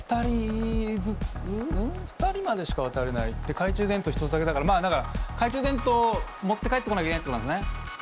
懐中電灯１つだけだからまあだから懐中電灯持って帰ってこなきゃいけないってことなんすね。